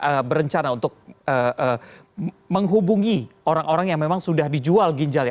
apakah anda juga berencana untuk menghubungi orang orang yang memang sudah dijual ginjal ya